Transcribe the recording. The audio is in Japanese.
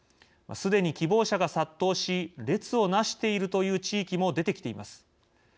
すでに希望者が殺到し列をなしているという地域も出てきています。